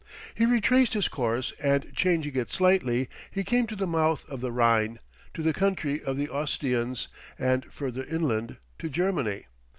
He retraced his course, and changing it slightly, he came to the mouth of the Rhine, to the country of the Ostians, and, further inland, to Germany.